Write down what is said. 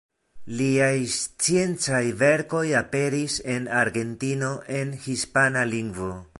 Liaj sciencaj verkoj aperis en Argentino en hispana lingvo.